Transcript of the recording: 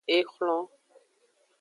Exlon.